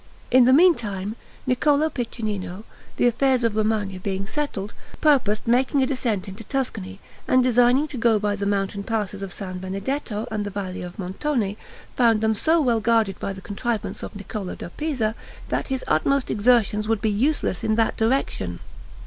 In the meantime, Niccolo Piccinino, the affairs of Romagna being settled, purposed making a descent into Tuscany, and designing to go by the mountain passes of San Benedetto and the valley of Montone, found them so well guarded by the contrivance of Niccolo da Pisa, that his utmost exertions would be useless in that direction.